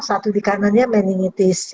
satu di kanannya meningitis